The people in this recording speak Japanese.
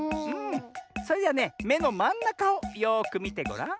それではねめのまんなかをよくみてごらん。